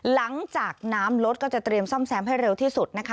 หลังจากน้ำลดก็จะเตรียมซ่อมแซมให้เร็วที่สุดนะคะ